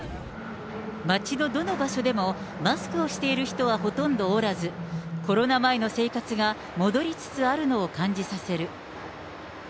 街のどの場所でもマスクをしている人はほとんどおらず、コロナ前の生活が戻りつつあるのを感じさせる。